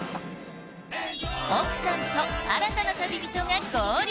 奥さんと新たな旅人が合流！